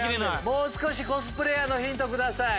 もう少しコスプレーヤーのヒントください！